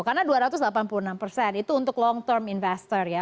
karena dua ratus delapan puluh enam persen itu untuk long term investor ya